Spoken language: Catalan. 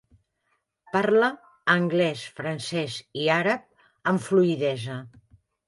Parla anglès, francès i àrab amb fluïdesa.